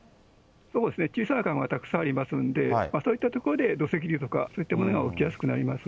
そうですね、小さな川がたくさんありますんで、そういった所で土石流とか、そういったものが起きやすくなります。